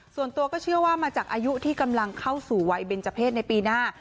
ส่วนตัวก็เชื่อว่ามาจากอายุที่กำลังเข้าสู่วัยเบนเจอร์เพศในปีหน้า